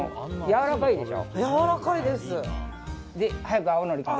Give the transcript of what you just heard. やわらかいです。